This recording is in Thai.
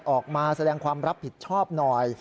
ออกมาแสดงความรับผิดชอบหน่อย